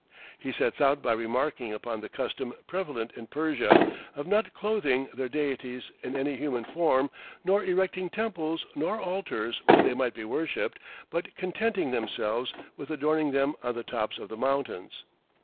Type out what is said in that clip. He sets out by remarking upon the custom prevalent in Persia, of not clothing their deities in any human form, nor erecting temples nor altars where they might be worshipped, but contenting themselves with adoring them on the tops of the mountains.